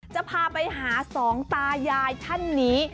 จะพาไปหาสองตายายท่านนี้